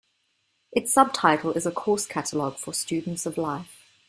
Its subtitle is A Course Catalog for Students of Life.